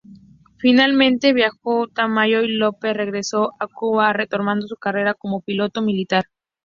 Finalmente viajó Tamayo y López regresó a Cuba retomando su carrera como piloto militar.